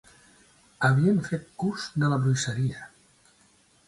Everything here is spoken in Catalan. Havien fet ús de la bruixeria?